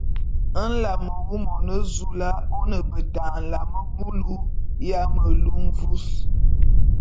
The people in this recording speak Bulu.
Nlame wu, Monezoula, ô ne beta nlame bulu ya melu mvus.